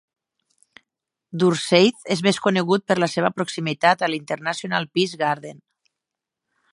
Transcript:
Dunseith és més conegut per la seva proximitat al International Peace Garden.